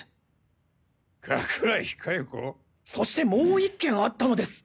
そしてもう１件あったのです！